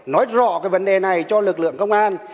nói rõ cái vấn đề này cho lực lượng công an